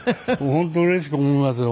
本当うれしく思いますよ。